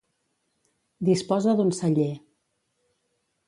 Disposa d'un celler.